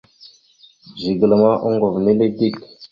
Zigəla ma oŋgov nele dik.